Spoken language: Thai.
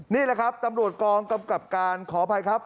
นี่แหละครับตำรวจกองกำกับการขออภัยครับ